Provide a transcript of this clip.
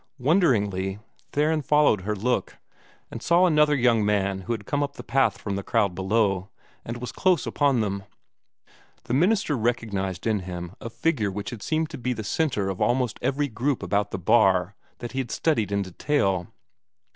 Wonderingly, Theron followed her look, and saw another young man who had come up the path from the crowd below, and was close upon them. The minister recognized in him a figure which had seemed to be the centre of almost every group about the bar that he had studied in detail.